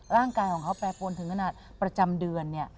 ร่างกายของเขาแปรปวนถึงขนาดประจำเดือนเนี่ย